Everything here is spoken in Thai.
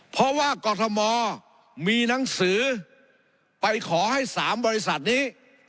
เพราะว่ากรทมมีหนังสือไปขอให้๓บริษัทนี้